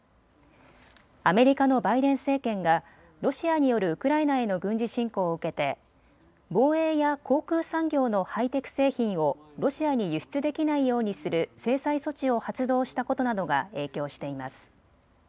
アメリカのバイデン政権がロシアによるウクライナへの軍事侵攻を受けて防衛や航空産業のハイテク製品をロシアに輸出できないようにする制裁措置を発動したことなどが影響しています。